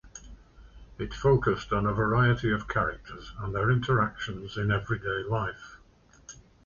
It focused on a variety of characters and their interactions in everyday life.